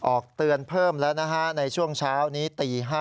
ออกเตือนเพิ่มแล้วนะฮะในช่วงเช้านี้ตี๕